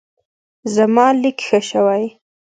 زما لیک ښه شوی.